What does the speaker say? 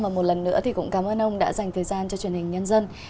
và một lần nữa thì cũng cảm ơn ông đã dành thời gian cho truyền hình nhân dân